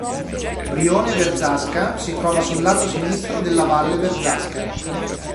Brione Verzasca si trova sul lato sinistro della Valle Verzasca.